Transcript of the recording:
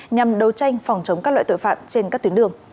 nhằm đấu tranh phòng chống các loại tội phạm trên các tuyến đường